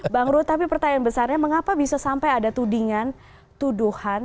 bang ruh tapi pertanyaan besarnya mengapa bisa sampai ada tudingan tuduhan